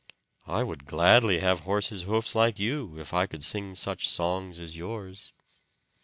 "I would gladly have horse's hoofs like you, if I could sing such songs as yours."